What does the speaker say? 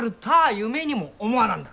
夢にも思わなんだ。